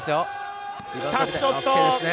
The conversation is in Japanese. タフショット。